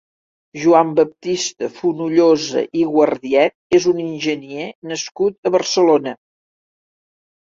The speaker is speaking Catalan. Joan Baptista Fonollosa i Guardiet és un enginyer nascut a Barcelona.